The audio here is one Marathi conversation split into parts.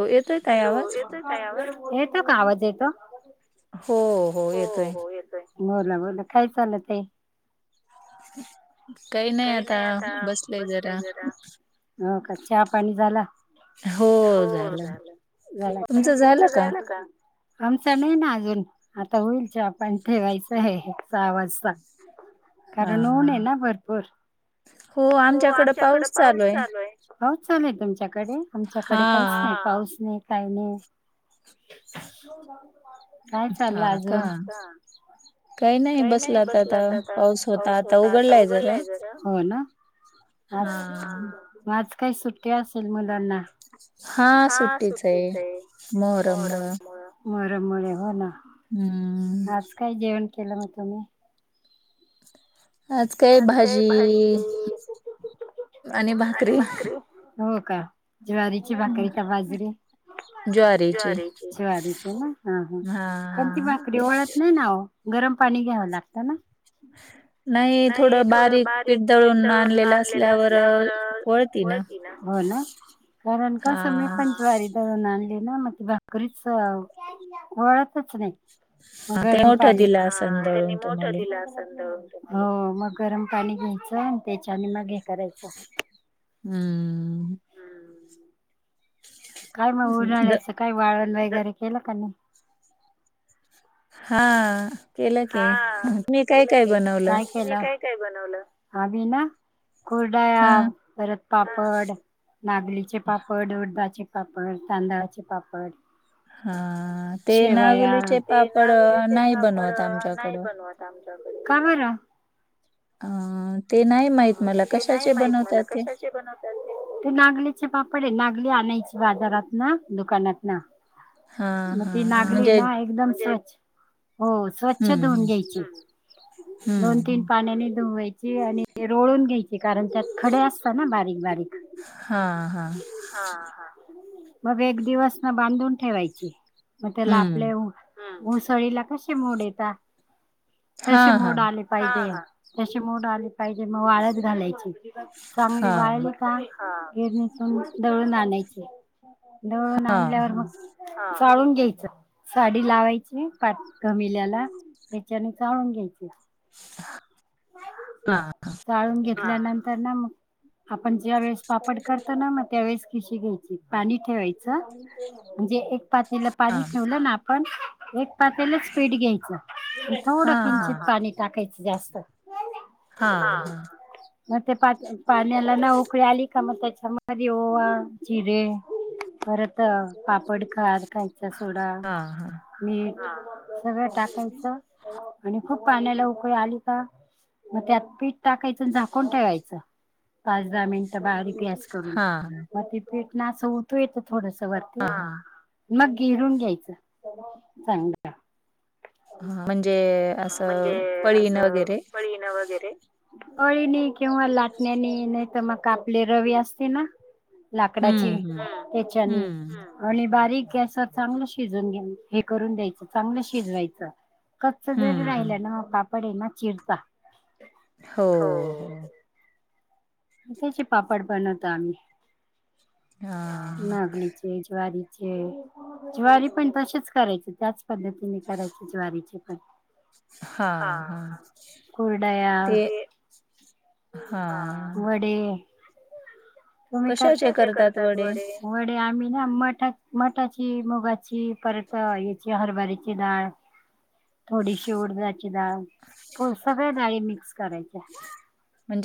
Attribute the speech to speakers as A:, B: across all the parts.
A: हो येतोय ताई
B: हॅलो!
A: आवाज?
B: येतोय काय आवाज? येतो काय आवाज येतो?
A: हो हो, येतोय.
B: येतोय. बोला बोला, काय चालं ताई?
A: काही नाही आता बसलेय जरा.
B: हो का, चहा पाणी झालं?
A: हो झालं.
B: झाला
A: तुमचं
B: का?
A: झालं का?
B: आमचा नाही ना अजून, आता होईल चा पण ठेवायचाय सहा वाजता,
A: हा.
B: कारण ऊन आहे ना भर पूर, हो आमच्याकडे पाऊस चालू आहे. पाऊस चालूय तुमच्याकडे?
A: हा.
B: आमच्याकडे काहीच नाही, हा पाऊस नाही काय नाय. नाय चालं
A: हा का?
B: अजून. हा का? काय नाही बसलात आता पाऊस होता, आता उघडलाय जरा. हो ना?
A: हा.
B: आज आज काय सुट्टी असेल मुलांना? हा, सुट्टीच हाय
A: मोहरम मुळं.
B: मोहरममुळ.
A: हम्म
B: आज काय जेवण केलं मग तुम्ही?
A: आज काय भाजी आणि भाकरी
B: हो का? ज्वारीची भाकरी का बाजरीे ज्वारीची, ज्वारीची ना, हा हा त्यांची भाकरी
A: हा
B: वळत नाही ना ओ. गरम पाणी घ्यावं लागतं ना?
A: नाही.
B: नाही, थोडं बारीक पिट दळून आणलेलं असल्यावर वय ना? हो ना? कारण का समय
A: हा
B: पंचवारीच होह. ना मग ते भाकरीच वळतच नाही.
A: ते
B: गरम
A: मोठं
B: पाणी
A: दिलं असन
B: हा त्यांनी
A: दळून
B: मोठ
A: तुम्हाले.
B: दिलं नव्हतं हो मग गरम पाणी घ्यायचं आणि त्याच्याने मग हे करायचं.
A: हम्म.
B: काय मग?
A: द
B: उन्हाळ्याच काय वाळण वगैरे? हे केल् काय नाही
A: हा केलं की?
B: हा
A: मी काय काय बनवलं.
B: आणि ना? कुरडया,
A: हा
B: परत पापड, नागलीचे पापड, उडदाचे पापड तांदळाचे पापड
A: हा. ते
B: शेवाया,
A: नागोलीचे पापड अ,
B: तेनागुलीचे
A: नाही
B: पापड
A: बनवत
B: नाही
A: आमच्याकडं.
B: बनवत आमच्या ह
A: ह
B: ते नाही माहित मला
A: ते
B: कशाचे बनवतात ते नागलीचे पापड आहे नागली आणाय बाजारात ना दुकानात ना
A: हा
B: मग
A: हा
B: ती नागली
A: म्हणजे
B: ना एकदम स्वच हो स्वच्छ
A: हम्म
B: धुवून घ्यायची
A: हम्म
B: दोन तीन
A: हम्म
B: पाण्याने धुवायची आणि ते रोळून घ्यायचे कारण त्यात खडे असतात ना बारीक बारीक
A: हा हा
B: हा हा. मग एक दिवस ना बांधून ठेवायची मग त्याला
A: हम्म
B: आपले मुसळीला कसे मोड येत
A: हा
B: कसे
A: हा
B: मोड आले पाहिजे तशी मोड आली पाहिजे मग वाळत घालायची चांगली
A: हा
B: वाळली काय गिरणी दळून आणायचे दवळून
A: हा हा
B: आणल्यावर मग चाळून घ्यायचं साडी लावायची पा कमिल्याला त्याच्याने चाळून घ्यायचे
A: ह
B: जाचाळून घेतल्यानंतर ना मग आपण ज्या वेळेस पापड करतो ना मग त्यावेेळेस खिशी घ्यायची पाणी ठेवायचं म्हणजे एक चपातीला पाणी
A: हा.
B: ठेवलं ना आपण एक चपात्यालाच पीड घ्यायचं थोडं
A: हां, हां.
B: किंचित पाणी टाकायचं जास्त
A: हा हा
B: म पा पाणीला न उकळी आली का म चमारी होओवा जिरे परत पापड खद खायचा सोडा
A: हां, हां.
B: मीठ सगळं टाकायचं आणि खूप पाण्याला उपय आली का मग त्यात पीठ टाकायचं झाकून ठेवायचं पाच दहा मिनिटं बारीक ग्यास करून
A: हां,
B: मग ते पेठ नास होतो येत थोडस वरती
A: हां, हां.
B: मग घिरून घ्यायचं चांगलं
A: हां, म्हणजे
B: म्हणजे
A: असं
B: अस
A: पळीनं वगैरे.
B: पळीन वगैरे फळीने किंवा लाटण्यानी नाही तर मग आपली रवी असते ना
A: हं,
B: लाकडाची
A: हं.
B: त्याच्यानी
A: हं,
B: आणि बारीक कॅस चांगलं शिजून घे हे करून द्यायचं चांगलं शिजवायचं कच्च जर
A: हं, हं.
B: राहिला ना कापड आहे मग चिरता
A: हो हो
B: आताचे पापड बनवता आम्ही
A: हां, हां.
B: नाचनीचे ज्वारीचे ज्वारी पण तसेच करायचे त्याच पद्धतीने करायचे ज्वारीचे पण हा
A: हां, हां.
B: कुरडया
A: ते
B: हे
A: हां.
B: वडे तुम्ही खर्षाचे करतात वडे वडे आम्ही ना मठा मठाची मुगाची परत याची हरभऱ्याची डाळ
A: [inaudible]
B: थोडीशी उडदाची डाळ सगळ्या डाळी मिक्स करायच्या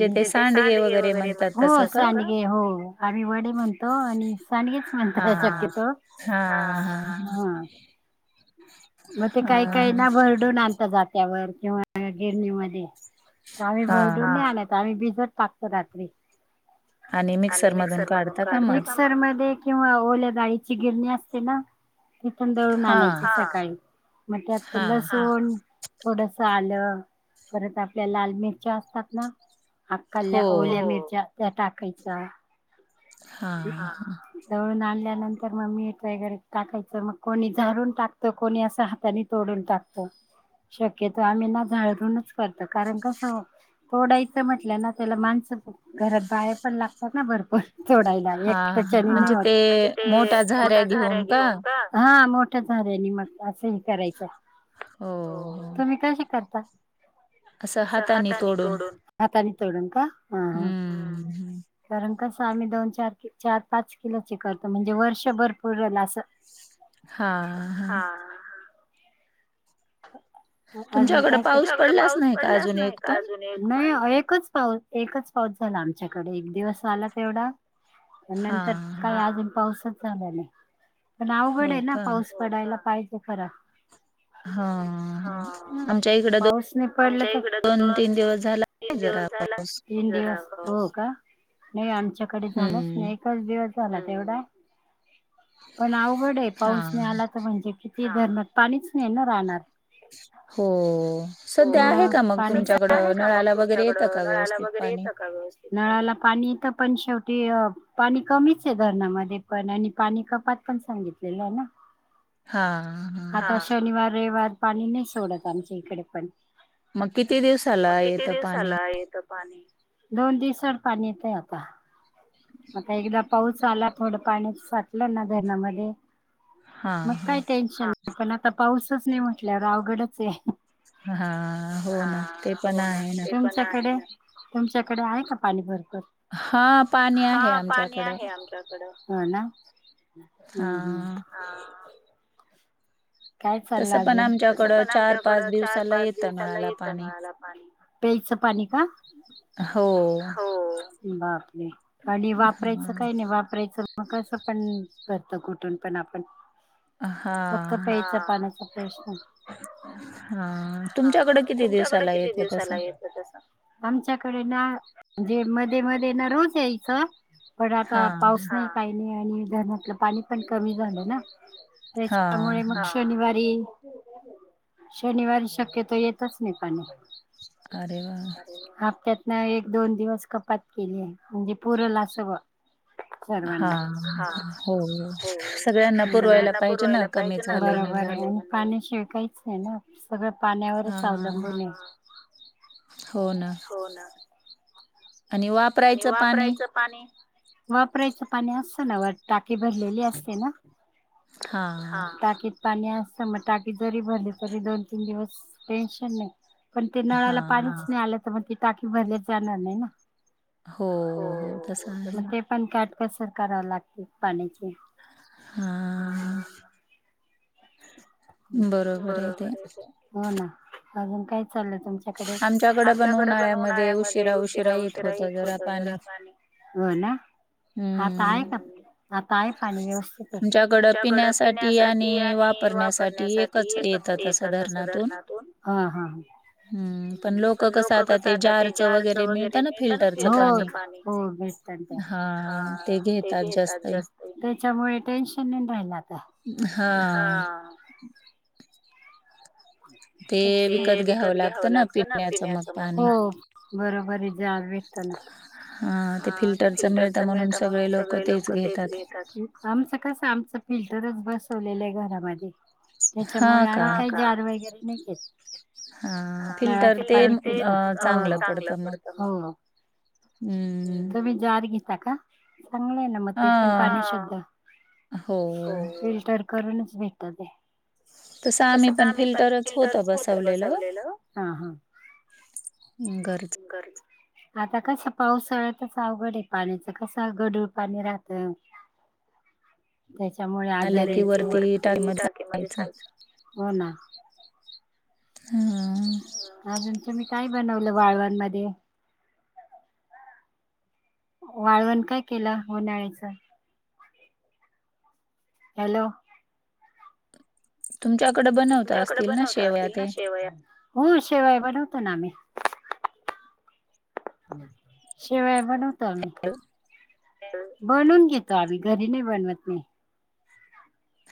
B: म्हणजे ते सांडगे वगैरे म्हणतात सांडगे हो आम्ही वडे म्हणतो आणि सांडगेच म्हणतात
A: हां.
B: शक्यतो
A: हां, हां.
B: हा मग ते काही
A: हां,
B: काही ना भरडून आणतात जात्यावर किंवा गिरणीमध्ये आम्ही भरडून
A: हां.
B: नाही आणत आम्ही भिजत टाकतो रात्री आणि
A: मिक्सरमधून
B: मिक्सर मधून
A: काढता का
B: काढून
A: मग?
B: मिक्सर मध्ये किंवा ओल्या गाळीची गिरणी असते ना तिथून दळून
A: हां,
B: आणायची सकाळी मग त्यात
A: हां.
B: लसुण थोडस आलं परत आपल्या लाल मिरच्या असतात ना
A: हो.
B: अकल्या ओल मिरच्या त्या टाकायच्या
A: हां, हां.
B: दळून आणल त्यानंतर मग मी ट्रायगर टाकायचं मग कोणी झाडून टाकतो कोणी असं हाताने तोडून टाकतो शक्यतो आम्ही ना झाळूनच करतो कारण कस तोडायच म्हटलं ना त्याला माणस घरात बाया पण लागतात ना भरपूर
A: हा हा ते
B: म्हणजे ते मोठ्या झार्या घेऊन का झार्याने मग असं ही करायचं
A: हो हो असं
B: कस
A: हाताने
B: हातानी तोडून हातानी तोडून का हा हा
A: हम्म हम्म
B: कारण कसं आम्ही दोन चार चार पाच किलोचे करतो म्हणजे वर्षभर पूरल असं
A: हा हा
B: अजून
A: तुमच्याकडे
B: काय
A: पाऊस
B: तुमच्याकडे
A: पडलाच
B: पाऊस
A: नाही का
B: पडलाच
A: अजून
B: नाही
A: एक
B: काय
A: पण
B: अजून एकच पाऊस एकच पाऊस झाला आमच्याकडे एक दिवस आला तेवढा
A: हा
B: नंतर काल
A: हा
B: अजून पाऊसच झाला नाही पण अवघड
A: हो
B: आहे ना
A: का
B: पाऊस पडायला पाहिजे खरा
A: हा
B: हा
A: आमच्या इकड
B: पाऊस नाही पडला आमच्या ईकड दोन
A: तीन दिवस झाला
B: तीन
A: आहे जरा
B: दिवस तीन दिवस हो का नाही आमच्याकडे झालाच
A: हम्म
B: नाही एकच दिवस झाला तेवढा पण आवघड आहे
A: हा
B: पाऊस नाही आला तर म्हणजे किती धरणात पाणीच नाही ना राहणार
A: हो सध्या आहे
B: हो
A: का मग
B: पाणी आहे
A: तुमच्याकडं
B: का मग
A: नळाला वगैरे
B: तुमच्याकड
A: येतं का
B: नळाला
A: व्यवस्थित
B: वगैरे
A: पाणी
B: येतं का व्यवस्थित नळाला पाणी आणि ईथ पण शेवट ते पाणी कमीच आहे धरणामध्ये पण आणी पाणी कपात पण सांगितलेलं आहे ना
A: हा हा
B: आता शनिवार रविवार पाणी नाही सोडत आमच्या इकडे पण
A: मग किती
B: मग
A: दिवसाला
B: किती
A: येतं पाणी
B: दिवसाला येत दोन दिवसात पाणी येतय आता आता एकदा पाऊस आला थोडं पाणी साटलं ना धरणामध्ये
A: हा
B: मग काय टेन्शन नाही पण आता पाऊसच नाही म्हटल्यावर अवघडच आहे
A: हा हो
B: हा
A: ना ते पण
B: हो
A: आहे ना
B: ते पण तुमच्याकडे ना. तुमच्याकडे आहे का पाणी भरपूर
A: हा
B: हा पाणी आहे आमच्याकडं ह ना
A: हा
B: हम्म हम्म हा काय चाललं
A: तसं पण
B: अजून तसं
A: आमच्याकडं
B: पण आमच्याकड चार
A: दिवसाला
B: पाच
A: येतं
B: दिवसाला
A: नळाला
B: येतं
A: पाणी.
B: मिळाला पाणी पेलचं पाणी का?
A: हो
B: बापर आणि वापरायचं
A: हां.
B: काही नाही वापरायचं मग कसं पण करत कुठून पण आपण तर
A: हा
B: प्यायचा पाण्याचा प्रश्न ह
A: हां. तुमच्याकडं किती
B: तुमच्याकडे
A: दिवसाला
B: किती
A: येतं
B: दिवसाला
A: तसं?
B: येत तस आमच्याकडे ना म्हणजे मध्ये मध्ये ना रोज यायचं पण आता
A: हां,
B: पाऊस
A: हां.
B: नाही काही आणि धरणातलं पाणी पण कमी झालं ना
A: हा
B: त्याच्यामुळे
A: हा
B: मग शनिवारी शनिवारी शक्यतो येतच नाही पाणी
A: अरे वा
B: न एक दोन दिवस कपात केली आहे म्हणजे पुरला असं ग सर्वांना
A: हां,
B: हा
A: हां. हो,
B: हो
A: सगळ्यांना पुरवायला
B: सगळ्यांना
A: पाहिजे ना,
B: पुरवायला पाहिजे
A: कमी झालंय
B: बरोबर
A: म्हणल्यावर.
B: आहे आणि पाणी शिवकायच नाही ना सगळं पाण्यावरच
A: हां,
B: अवलंबून आहे
A: [inaudible]
B: हो ना
A: आणि
B: आणि
A: वापरायचं पाणी?
B: वापरायचं पाणी. वापरायचं पाणी असतं ना वर टाकी भरलेली असते ना. हा,
A: हां,
B: टाकीत पा पाणी असतं मग टाकी जरी भरले तरी दोन तीन दिवस टेन्शन नाही. पण ते नळाला पाणीच
A: हां.
B: नाही आलं तर मग ते टाकी भरलीच जाणार नाही ना.
A: हो हो, तसं आहे.
B: कसर करावं लागते पाण्याची.
A: हा.
B: बरोबर आहे, हो ना अजून काय? चालंलय तुमच्याकडे? आमच्याकडे पण उन्हाळ्यामध्ये उशिरा उशिरा येत होतं जरा पाणी. हो ना? आता
A: हम्म
B: आहे का? आता आहे पाणी व्यवस्थित आहे, तुमच्याकडं पिण्यासाठी आणि वाप् ण्यासाठी एकच येतं तसं धरणातून. हम्म, पण लोकं कसं आता ते जारचं वगैरे मिळतं ना फिल्टरचं पाणी, हो हो भे त न ते,
A: हा
B: हा ते घेतात जास त, त्याच्यामुळे टेन्शन नाही राहिलं आता, हा.
A: [unintelligible]
B: तेच ना, ते विकत घ्यावं लागतं ना पिण्याचं मग, हो बरोबर आहे जार भेटतं ना. हा ते फिल्टरचं मिळतं म्हणून सगळे लोकं तेच घेतात, आमचं कसं आमचं फिल्टरच बसवलेलं आहे घरामध्ये, त्याच्यामुळे आम्ही काही, हा का? जार वगैरे नाही घेत.
A: हा फिल्टर
B: नळाचं
A: ते अ चांगलं
B: हो.
A: पडतं मग.
B: हो
A: हम्म
B: तुम्ही जार घेता का? चांगलं आहे ना मग ते पण.
A: हा
B: पाणी शुद्ध
A: हो.
B: फिल्टर. करूनच भेटात ते.
A: तसं
B: तस
A: आम्ही
B: काम पण
A: फिल्टरच होतं
B: तरच होत बसवलेलं.
A: घरच.
B: आता कसा पाऊस. सळतच अवघड आहे पाण्याच. कस गडूळ पाणी राहत. त्याच्यामुळे
A: आलं की
B: आजाराची. वरती
A: टाकीमध्ये
B: टाकेमध्येय
A: टाकायचं.
B: साच हो ना.
A: हं.
B: अजून तुमी काय बनवलं वाळवान मदे? वाळवण काय केलं उन्हाळ्याच? हॅलो.
A: तुमच्याकडे बनवता
B: तुमच्याकड
A: असतील ना
B: बनवता
A: शेवया
B: असतील ना
A: ते?
B: शेवया. हो शेवया बनवतो ना आम्ही. शिवाया बनवतो आम्ही. बनून घेतो आम्ही. घरी नई बनवत मी.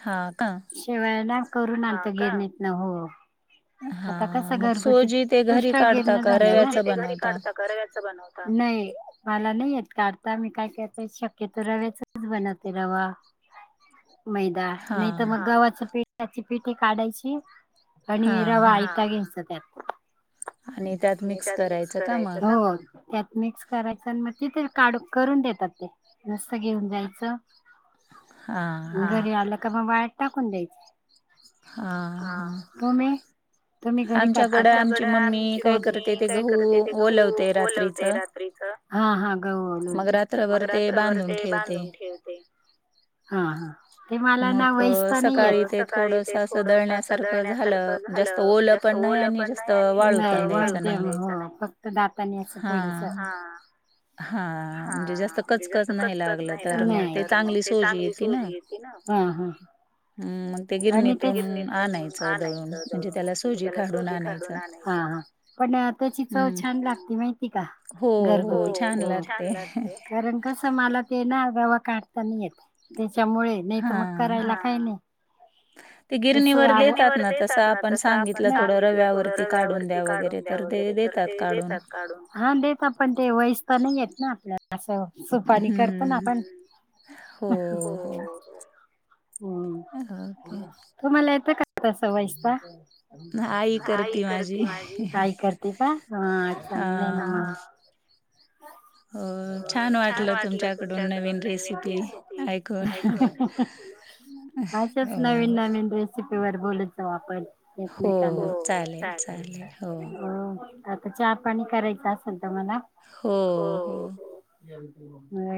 A: हा.
B: शेवया ना करून आनतो गीरणीतन हो. आता कस
A: हां. मग
B: घरगुती
A: सोजी ते घरी
B: पुष्कळ
A: काढता
B: गिरन्या
A: का
B: झाल्याना. सुजी
A: रव्याचं
B: ते री
A: बनवता?
B: काडता का रव्याच बनवता. नाहीं मला नई येत काडता. मी काय करते शक्यतो रव्याच बनवते रवा. मैदा नई तर
A: हां.
B: मग गव्हाच्या पेठाची पिठी काडायची आणि
A: हां,
B: रवा
A: हां.
B: आयता घ्यायचा त्यात. आणि त्यात मिक्स करायचं ना? हो मिक्स करायच अन म तिथून. काडुन करून देतात ते. घेऊन जायचं.
A: हां, हां.
B: घरी आलं का मग वाळत टाकून द्यायचं.
A: हा. हा.
B: तुम्ही घरी करता
A: आमच्याकड
B: तर
A: आमची मम्मी.
B: आमची
A: काय
B: सोजी.
A: करते
B: मम्मी
A: ते
B: काय
A: गहू
B: गहू
A: ओलवते रात्रीच.
B: ओलवते रात्रीचं हा हा गहू ओलून
A: मग
B: मग
A: रात्रभर. ते
B: रात्रभर
A: बांधून
B: ते
A: ठेवते.
B: बांधून ठेवते हा हा ते मला ना
A: मग
B: वैसता नाही येत
A: सकाळी
B: मग
A: ते
B: सकाळी
A: थोडस
B: ते
A: अस
B: थोडस असं
A: दळण्यासारखं
B: दळण्यास
A: झालं. जास्त
B: झालं
A: ओलं पण न्हाइ आणि जास्त
B: आणि नुसतं
A: वाळू
B: नाही
A: पण
B: वाळू
A: द्यायचं नाही
B: देण्याच नइ फक्त दातानी अस
A: हा
B: थोडस हा
A: म्हणजे जास्त
B: म्हणजे जास्त
A: नाही
B: कचकच
A: लागलं
B: न्हइ
A: तर
B: लागलं
A: ते
B: तर मग
A: चांगली
B: ते
A: सोजी
B: चांगली
A: येते ना
B: सोजी येते ना हा हा
A: हं, मग ते
B: हा आणि तेच
A: गिरणीतून दळून
B: आणायचं दळुन
A: त्याला
B: म्हणजे
A: सोजी
B: तेला
A: काढून
B: सुजी काडुन
A: आणायचं
B: आणाय पण आत्ताची चव
A: हम्म
B: छान लागती माहिती का घरगुती हो हो छान लागते कारण कस माला ते ना रवा काडताना येत तेच्यामुळे नइ
A: हा
B: त मग करायला काइ नइ
A: ते
B: गिरणीवर
A: ना
B: देतात
A: तसं
B: न तस आपण
A: थोडं
B: सांगितलं थोड
A: रव्यावरती काढून
B: रव्यावरती
A: द्या वगैरे
B: काडुन द्या
A: तर ते
B: वगेरे तर
A: काढून
B: देतात काडुन हा देतात पण ते वइस तर नइयेत ना आपल्याला अस सुपाणी करतो ना
A: हम्म
B: आपण
A: हो आ ते
B: तुमाला येत का तस वाइसता आई करते माझी आई करते का हा चांगलंएना
A: हां. [inaudible] हो छान वाटलं तुमच्याकडून नवीन रेसिपी
B: वाटतेस.
A: ऐकून
B: अशाच
A: हो.
B: नवीन
A: हो,
B: नवीन रेसिपीवर बोलत जाऊ आपण एकमेकांना हो हो चालेल चालेल आता चा पाणी करायचं असल
A: हो हो
B: हो